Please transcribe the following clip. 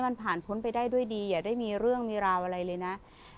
มันผ่านพ้นไปได้ด้วยดีอย่าได้มีเรื่องมีราวอะไรเลยนะ